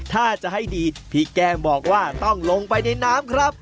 ถ้าจะให้ดีพี่แก้มบอกว่าต้องลงไปในน้ำครับ